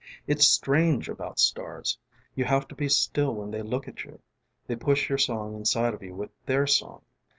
:: It's strange about starsŌĆ". You have to be still when they look at you. They push your song inside of you with their song.